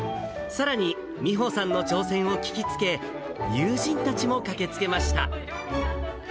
さらに、美穂さんの挑戦を聞きつけ、友人たちも駆けつけました。